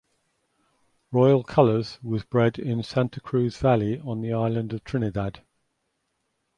Royal Colours was bred in Santa Cruz Valley on the island of Trinidad.